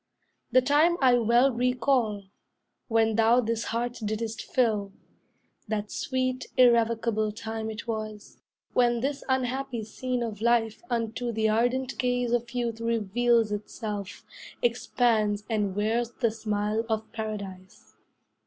The time I well recall, when thou this heart didst fill; That sweet, irrevocable time it was, When this unhappy scene of life unto The ardent gaze of youth reveals itself, Expands, and wears the smile of Paradise.